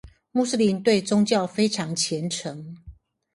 穆斯林對宗教非常虔誠